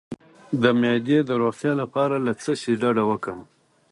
د معدې د روغتیا لپاره له څه شي ډډه وکړم؟